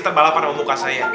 terbalap pada muka saya